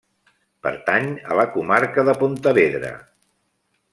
Pertany a la Comarca de Pontevedra.